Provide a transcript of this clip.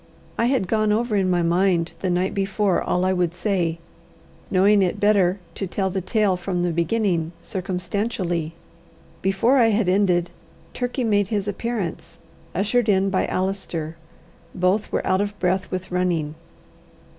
I had gone over in my mind the night before all I would say, knowing it better to tell the tale from the beginning circumstantially. Before I had ended, Turkey made his appearance, ushered in by Allister. Both were out of breath with running.